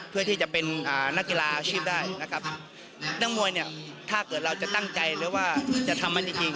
เพื่อที่จะเป็นนักกีฬาอาชีพได้นะครับนักมวยเนี่ยถ้าเกิดเราจะตั้งใจหรือว่าจะทำมันจริงจริง